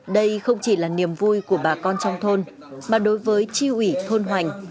đây không chỉ là niềm vui của bà con trong thôn mà đối với tri ủy thôn hoành